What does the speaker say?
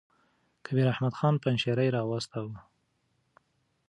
کبیر احمد خان پنجشېري را واستاوه.